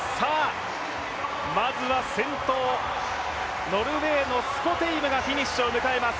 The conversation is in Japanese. まずは先頭、ノルウェーのスコテイムがフィニッシュを迎えます。